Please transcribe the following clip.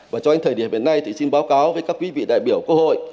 và trong thời điểm hiện nay thì xin báo cáo với các quý vị đại biểu của hội